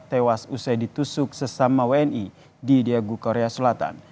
tewas usai ditusuk sesama wni di diegu korea selatan